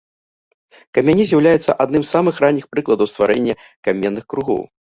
Камяні з'яўляюцца адным з самых ранніх прыкладаў стварэння каменных кругоў.